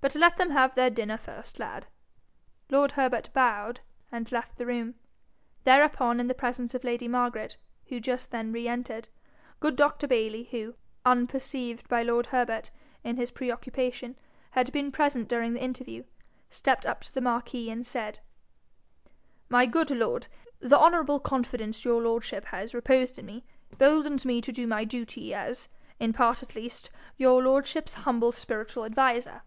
'But let them have their dinner first, lad.' Lord Herbert bowed, and left the room. Thereupon, in the presence of lady Margaret, who just then re entered, good Dr. Bayly, who, unperceived by lord Herbert in his pre occupation, had been present during the interview, stepped up to the marquis and said: 'My good lord, the honourable confidence your lordship has reposed in me boldens me to do my duty as, in part at least, your lordship's humble spiritual adviser.'